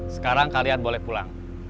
sekarang kalian boleh pulang